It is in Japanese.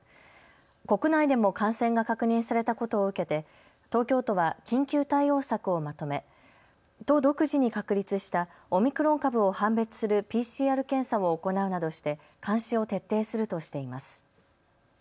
国内でも感染が確認されたことを受けて東京都は緊急対応策をまとめ都独自に確立したオミクロン株を判別するＰＣＲ検査を行うなどして監視を徹底するとしています。